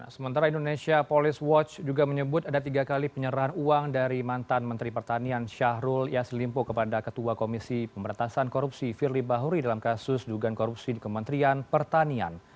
sementara indonesia police watch juga menyebut ada tiga kali penyerahan uang dari mantan menteri pertanian syahrul yassin limpo kepada ketua komisi pemberantasan korupsi firly bahuri dalam kasus dugaan korupsi di kementerian pertanian